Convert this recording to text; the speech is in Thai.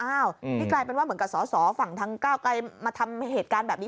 นี่กลายเป็นว่าเหมือนกับสอสอฝั่งทางก้าวไกลมาทำเหตุการณ์แบบนี้